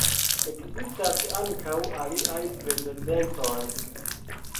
Ekzistas ankaŭ aliaj precedencoj.